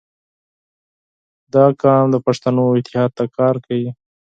• دا قوم د پښتنو اتحاد ته کار کوي.